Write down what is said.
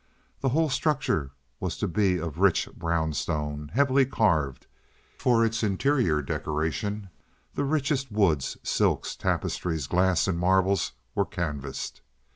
The whole structure was to be of a rich brownstone, heavily carved. For its interior decoration the richest woods, silks, tapestries, glass, and marbles were canvassed.